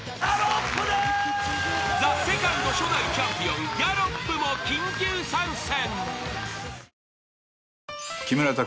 ［ＴＨＥＳＥＣＯＮＤ初代チャンピオンギャロップも緊急参戦］